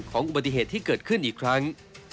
อุบัติเหตุที่เกิดขึ้นอีกครั้ง